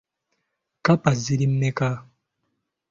Kkapa ziri mmeka?